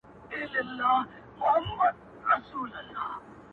• نومونه يې ذهن ته راځي او هويت ګډوډوي سخت ډول,